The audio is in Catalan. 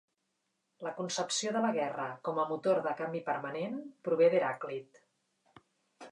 La concepció de la guerra com a motor de canvi permanent prové d'Heràclit.